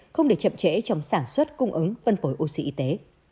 không để chậm trễ trong sản xuất cung ứng phân phối oxy y tế